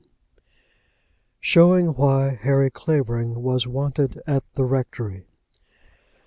SHOWING WHY HARRY CLAVERING WAS WANTED AT THE RECTORY.